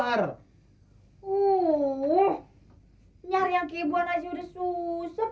nyari yang keibuan aja udah susah